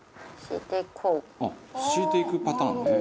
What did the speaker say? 「あっ敷いていくパターンね」